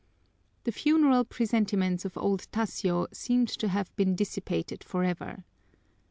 The funereal presentiments of old Tasio seemed to have been dissipated forever.